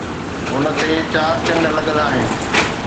ان تي چار چنڊ لڳل آهن